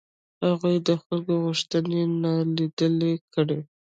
هغوی د خلکو غوښتنې نالیدلې کړې.